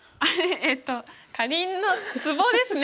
えっと「カリンのツボ」ですね。